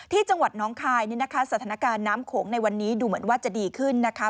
ที่จังหวัดน้องคายนี่นะคะสถานการณ์น้ำโขงในวันนี้ดูเหมือนว่าจะดีขึ้นนะคะ